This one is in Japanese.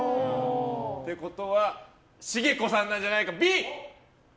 ってことは茂子さんなんじゃないか、Ｂ！